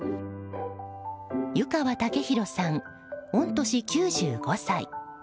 湯川武弘さん、御年９５歳。